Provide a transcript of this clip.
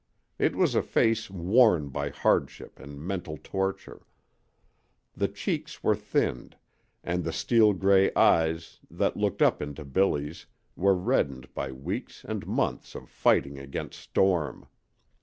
It was a face worn by hardship and mental torture. The cheeks were thinned, and the steel gray eyes that looked up into Billy's were reddened by weeks and months of fighting against storm.